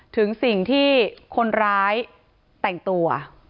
ถึงสิ่งที่คนร้ายแต่งตัว